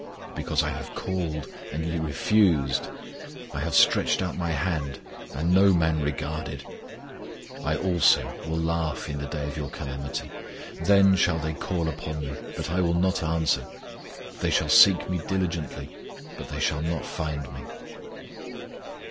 Because I have called, and ye refused; I have stretched out My hand, and no man regarded; ... I also will laugh in the day of your calamity. ... Then shall they call upon Me, but I will not answer; They shall seek Me diligently, but they shall not find Me.